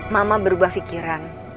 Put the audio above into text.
mama berubah pikiran